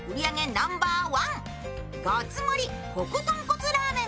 ナンバーワン、ごつ盛りコク豚骨ラーメン。